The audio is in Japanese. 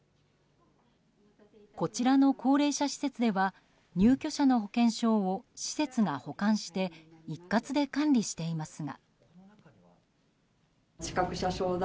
こちらの高齢者施設では入居者の保険証を施設が保管して一括で管理していますが。